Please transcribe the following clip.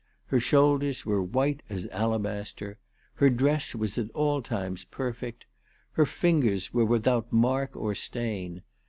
Her shoulders were white as alabas ter. Her dress was at all times perfect. Her fingers were without mark or stain.